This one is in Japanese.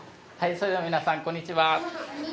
それでは皆さんこんにちは。